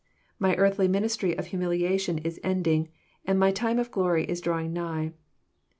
My earthly ministry \ of humiliation is ending, and my time of glory is drawing nigh.